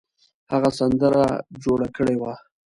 هغه سندره جوړه کړې وه.